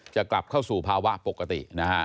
จะกลับเข้าสู่ภาวะปกตินะฮะ